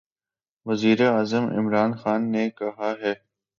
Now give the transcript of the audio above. وزیراعظم عمران خان نے کہا ہے